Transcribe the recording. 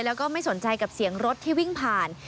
แล้วก็ไม่สนใจกับเสียงรถที่วิ่งผ่าน